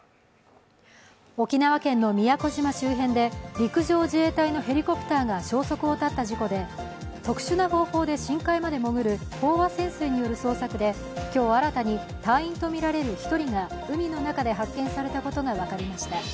沖縄県の宮古島周辺で陸上自衛隊のヘリコプターが消息を絶った事故で、特殊な方法で深海まで潜る飽和潜水による捜索で今日、新たに隊員とみられる１人が海の中で発見されたことが分かりました。